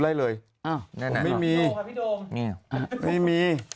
ตัวบอกวันนี้ครับ